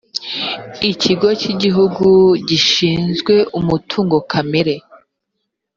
ikigo cy’igihugu gishinzwe umutungo kamere